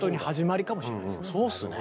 そうっすね。